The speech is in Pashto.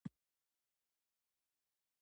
د ځمکې په سر د جنت جوړولو لپاره خواشني شو.